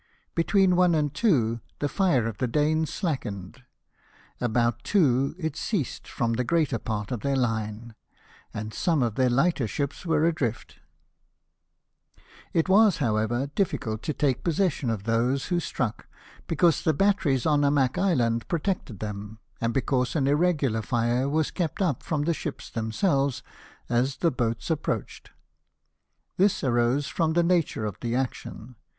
Between one and two the fire of the Danes slackened ; about two it ceased from the greater part of their line, and some of their lighter ships were adrift. It was, however, difficult to take possession of those who struck, because the batteries on Amak Island protected them, and because an irregular fire was kept up from the ships themselves as the boats approached. , This arose from the nature of the action.